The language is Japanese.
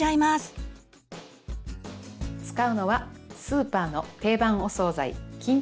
使うのはスーパーの定番お総菜きんぴらごぼうです。